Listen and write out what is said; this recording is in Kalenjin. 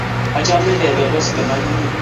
achame kebe Boston ak inye.